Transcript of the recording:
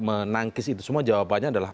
menangkis itu semua jawabannya adalah